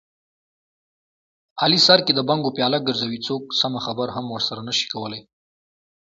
علي سر کې د بنګو پیاله ګرځوي، څوک سمه خبره هم ورسره نشي کولی.